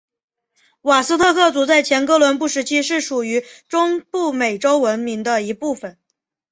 瓦斯特克族在前哥伦布时期是属于中部美洲文明的一部份。